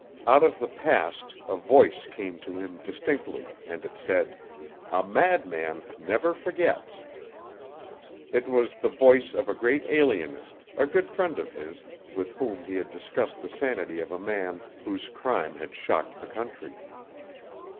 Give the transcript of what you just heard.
Out of the past a voice came to him distinctly, and it said, "A madman never forgets!" It was the voice of a great alienist, a good friend of his, with whom he had discussed the sanity of a man whose crime had shocked the country.